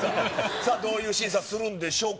さあ、どういう審査するんでしょうか。